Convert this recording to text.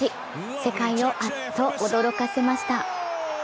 世界をあっと驚かせました。